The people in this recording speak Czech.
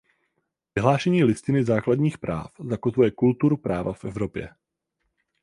Vyhlášení Listiny základních práv zakotvuje kulturu práva v Evropě.